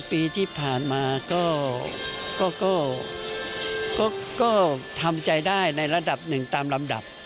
ปีที่ผ่านมาก็ทำใจได้ในระดับหนึ่งตามลำดับ